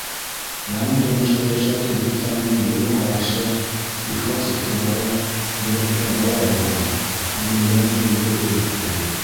Яңы тормошта йәшәүсе дуҫтарымдың йылы ҡарашы, ихлас иғтибары йөрәккә дауа булды, күңелдәге боҙҙо иретте.